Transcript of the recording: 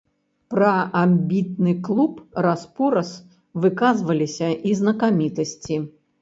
Пра амбітны клуб раз-пораз выказваліся і знакамітасці.